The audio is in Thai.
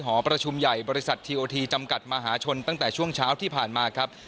หอประชุมใหญ่บริษัททีโอทีจำกัดมหาชนตั้งแต่ช่วงเช้าที่ผ่านมาครับ